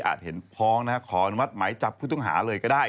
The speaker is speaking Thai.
อาจเห็นพร้อมนะฮะขออนุมัติไหมจับผู้ตุ้งหาเลยก็ได้